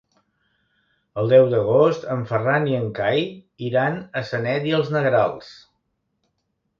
El deu d'agost en Ferran i en Cai iran a Sanet i els Negrals.